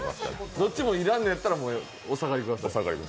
どっちも要らんのだったらお下がりください。